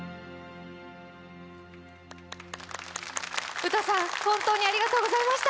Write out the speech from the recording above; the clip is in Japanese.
ウタさん、本当にありがとうございました。